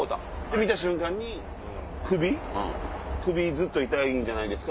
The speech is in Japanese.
見た瞬間に「首ずっと痛いんじゃないですか？」